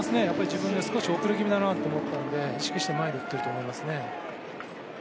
自分も少し遅れ気味だなと思ったんで意識して前で打っていると思います。